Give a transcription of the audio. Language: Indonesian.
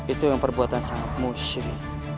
itu yang perbuatan sangat musyi